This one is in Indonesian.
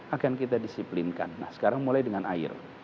akan kita disiplinkan nah sekarang mulai dengan air